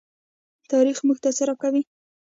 تاریخ موږ ته څه راکوي؟